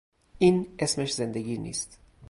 این اسمش زندگی نیست.